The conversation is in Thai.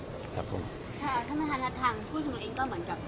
ค่ะคมธรรมรัฐทางผู้ชมนุนเองก็เหมือนกับ